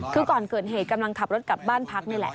คือก่อนเกิดเหตุกำลังขับรถกลับบ้านพักนี่แหละ